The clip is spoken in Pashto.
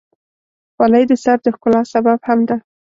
خولۍ د سر د ښکلا سبب هم ده.